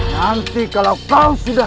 nanti kalau kau sudah